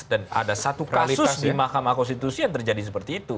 dan ada satu kasus di mahkamah konstitusi yang terjadi seperti itu